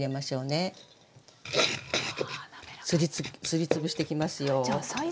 すりつぶしていきますよ。